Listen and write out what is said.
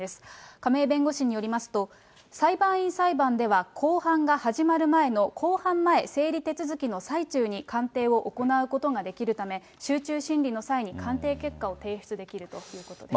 亀井弁護士によりますと、裁判員裁判では、公判が始まる前の公判前整理手続きの最中に鑑定を行うことができるため、集中審理の際に鑑定結果を提出できるということです。